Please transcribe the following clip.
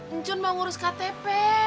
uncun mau ngurus ktp